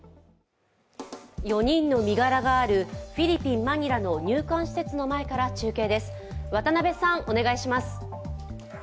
４人の身柄があるフィリピンマニラの入管施設の前から中継です。